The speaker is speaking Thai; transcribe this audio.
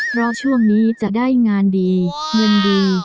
เพราะช่วงนี้จะได้งานดีเงินดี